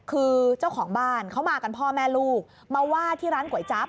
คือเจ้าของบ้านเขามากันพ่อแม่ลูกมาวาดที่ร้านก๋วยจั๊บ